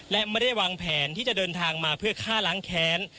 และไม่ได้วางแผนที่จะเดินทางมาเพื่อฆ่าล้างแค้น